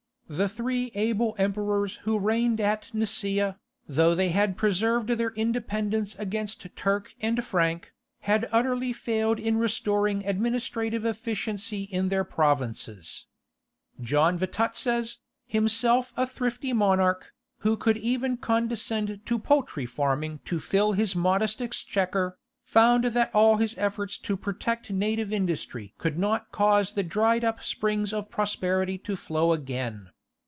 The three able emperors who reigned at Nicaea, though they had preserved their independence against Turk and Frank, had utterly failed in restoring administrative efficiency in their provinces. John Vatatzes, himself a thrifty monarch, who could even condescend to poultry farming to fill his modest exchequer, found that all his efforts to protect native industry could not cause the dried up springs of prosperity to flow again.